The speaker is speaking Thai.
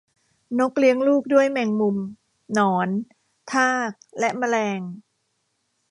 นกเลี้ยงลูกด้วยแมงมุมหนอนทากและแมลง